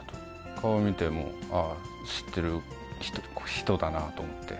顔を見て、もう、ああ、知ってる人だなと思って。